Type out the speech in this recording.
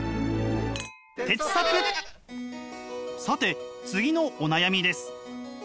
さて次のお悩みです。